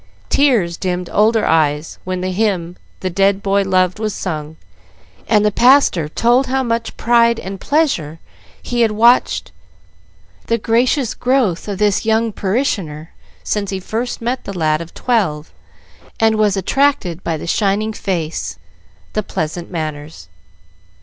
Tears dimmed older eyes when the hymn the dead boy loved was sung, and the pastor told with how much pride and pleasure he had watched the gracious growth of this young parishioner since he first met the lad of twelve and was attracted by the shining face, the pleasant manners.